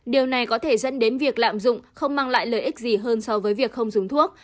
điều này có thể dẫn đến việc lạm dụng không mang lại lợi ích gì hơn so với việc không dùng thuốc